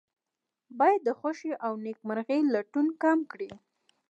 باید د خوښۍ او نیکمرغۍ لټون کم کړي.